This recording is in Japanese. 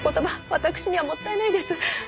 私にはもったいないです。